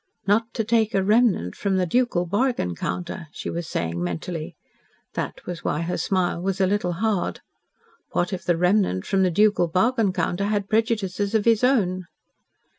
"Not to take a remnant from the ducal bargain counter," she was saying mentally. That was why her smile was a little hard. What if the remnant from the ducal bargain counter had prejudices of his own?